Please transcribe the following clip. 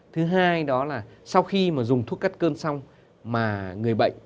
thứ hai đó là sau khi mà dùng thuốc cắt cơn xong mà người bệnh